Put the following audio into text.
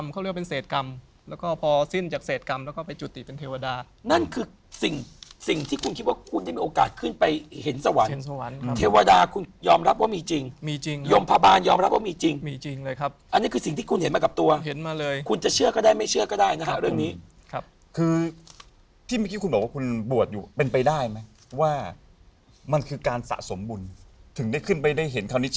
คุณตอบเขาก็ว่าไงเอาดิมาอยู่ด้วยกันอย่างนี้เหรอ